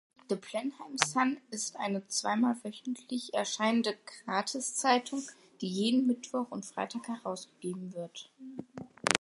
The Blenheim Sun ist eine zweimal wöchentlich erscheinende Gratiszeitung, die jeden Mittwoch und Freitag herausgegeben wird.